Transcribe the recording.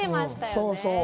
そうそう。